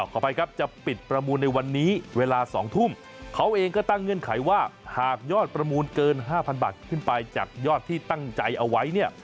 ขออภัยครับจะปิดประมูลในวันนี้เวลา๒ทุ่มเขาเองก็ตั้งเงื่อนไขว่าหากยอดประมูลเกิน๕๐๐บาทขึ้นไปจากยอดที่ตั้งใจเอาไว้เนี่ย